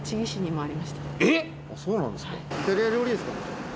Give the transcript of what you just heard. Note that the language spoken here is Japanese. そうなんですか。